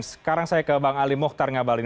sekarang saya ke bang ali mohtar ngabalin